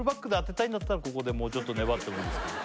ここでもうちょっと粘ってもいいですけど